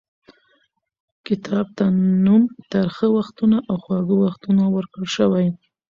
کتاب ته نوم ترخه وختونه او خواږه یادونه ورکړل شوی.